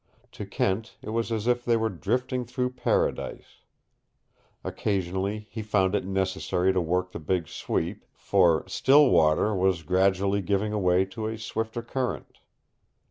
To Kent it was as if they were drifting through Paradise. Occasionally he found it necessary to work the big sweep, for still water was gradually giving way to a swifter current.